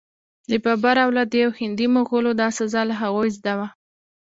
د بابر اولادې او هندي مغولو دا سزا له هغوی زده وه.